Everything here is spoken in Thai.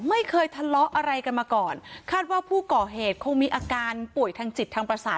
ไม่เคยทะเลาะอะไรกันมาก่อนคาดว่าผู้ก่อเหตุคงมีอาการป่วยทางจิตทางประสาท